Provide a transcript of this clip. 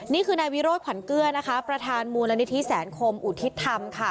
นี่คือนายวิโรธขวัญเกลือนะคะประธานมูลนิธิแสนคมอุทิศธรรมค่ะ